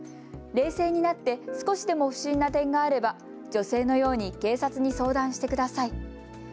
冷静になって少しでも不審な点があれば、女性のように警察に相談してください。